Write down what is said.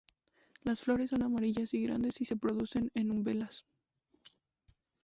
Las flores son amarillas y grandes, se producen en umbelas.